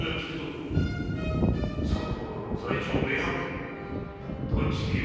その方らの罪状明白断じて許さんぞ！